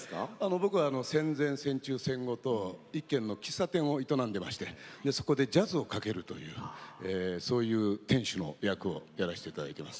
僕は戦前、戦中、戦後と１軒の喫茶店を営んでおりそこでジャズをかけるという店主の役をやらせていただいています。